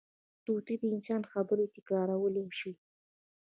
طوطي د انسان خبرې تکرارولی شي